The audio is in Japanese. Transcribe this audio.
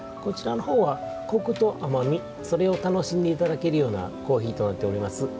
こちらの方はコクと甘みそれを楽しんで頂けるようなコーヒーとなっております。